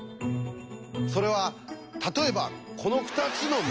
それは例えばこの２つの結び目。